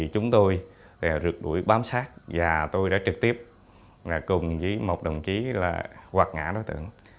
chúng tôi rượt đuổi bám sát và tôi đã trực tiếp cùng với một đồng chí là quạt ngã đối tượng